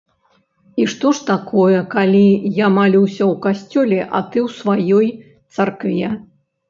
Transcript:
І што ж такое, калі я малюся ў касцёле, а ты ў сваёй царкве?